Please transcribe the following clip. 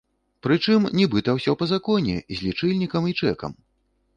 Прычым нібыта ўсё па законе, з лічыльнікам і чэкам!